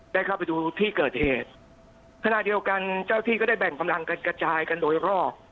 ได้เข้าไปดูที่เกิดเหตุขณะเดียวกันเจ้าที่ก็ได้แบ่งกำลังกันกระจายกันโดยรอบ